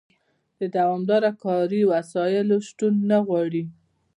د دوامداره کاري وسایلو شتون نه غواړي.